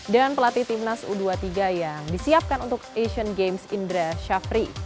dan pelatih timnas u dua puluh tiga yang disiapkan untuk asian games indra shafri